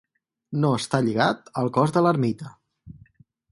No està lligat al cos de l'ermita.